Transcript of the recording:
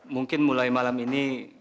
mungkin mulai malam ini